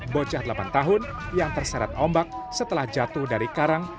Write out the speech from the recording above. bocah delapan tahun yang terseret ombak setelah jatuh dari karang